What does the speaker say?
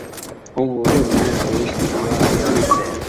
洪武六年随徐达守卫北平。